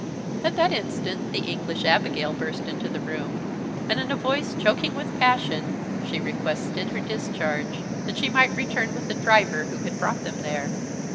At that instant the English Abigail burst into the room, and in a voice choking with passion, she requested her discharge, that she might return with the driver who had brought them there.